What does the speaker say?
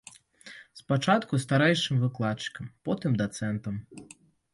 Спачатку старэйшым выкладчыкам, потым дацэнтам.